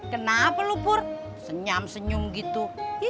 kenapa lo pur senyam senyum gitu